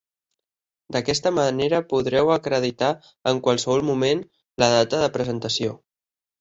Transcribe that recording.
D'aquesta manera, podreu acreditar en qualsevol moment la data de presentació.